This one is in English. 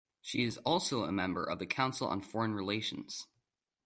She is also a member of the Council on Foreign Relations.